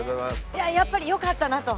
いややっぱりよかったなと。